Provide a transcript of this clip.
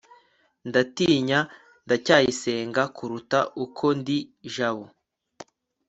ndatinya ndacyayisenga kuruta uko ndi jabo